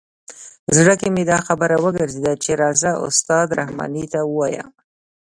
زړه کې مې دا خبره وګرځېده چې راځه استاد رحماني ته ووایه.